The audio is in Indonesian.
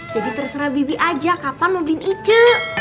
jadi terserah bibi aja kapan mau beli ice